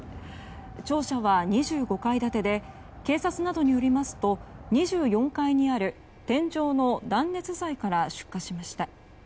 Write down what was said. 庁舎は２５階建てで警察などによりますと２４階にある天井の断熱材から出火しました。